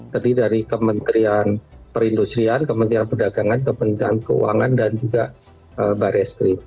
jadi dari kementerian perindustrian kementerian perdagangan kementerian keuangan dan juga baristri